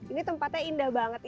ini tempatnya indah banget